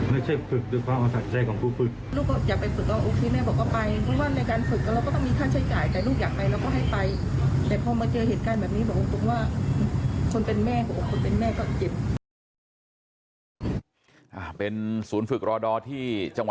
ไม่ใช่ฝึกด้วยความน้ำแดงของครัว